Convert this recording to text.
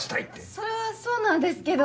それはそうなんですけど。